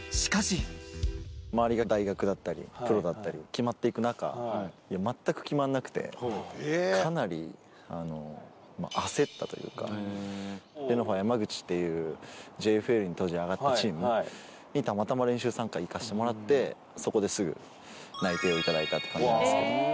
周りが大学だったり、プロだったり、決まっていく中、全く決まんなくて、かなり焦ったというか、レノファ山口っていう、ＪＦＬに当時上がったチームにたまたま練習参加行かしてもらって、そこですぐ内定を頂いたって感じなんですけど。